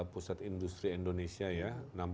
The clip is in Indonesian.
pusat industri indonesia ya